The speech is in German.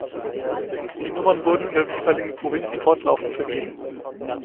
Die Nummern wurden in der jeweiligen Provinz fortlaufend vergeben.